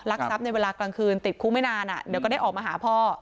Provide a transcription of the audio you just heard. ทรัพย์ในเวลากลางคืนติดคุกไม่นานเดี๋ยวก็ได้ออกมาหาพ่อ